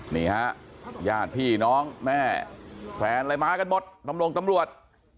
นี่ค่ะญาติพี่น้องแม่แทรนลายม้ากันหมดตำรวจ